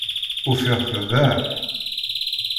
Ufiɣ-t da.